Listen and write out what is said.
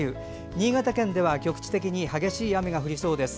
新潟県では局地的に激しい雨が降りそうです。